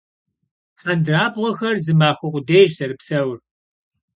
Hendırabğuexer zı maxue khuedêyş zerıpseur.